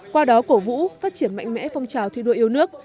qua đó cổ vũ phát triển mạnh mẽ phong trào thi đua yêu nước